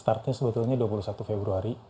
startnya sebetulnya dua puluh satu februari dua ribu lima